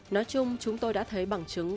nói chung chúng tôi đã thấy bằng chứng